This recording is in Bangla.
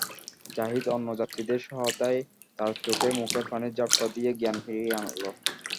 জাহিদ অন্য যাত্রীদের সহায়তায় তার চোখে মুখে পানির ঝাপটা দিয়ে জ্ঞান ফিরিয়ে আনল।